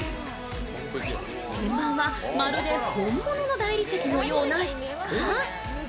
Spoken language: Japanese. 天板はまるで本物の大理石のような質感。